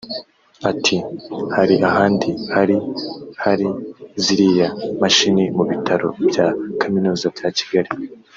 Ati”Hari ahandi hari hari ziriya mashini mu Bitaro bya Kaminuza bya Kigali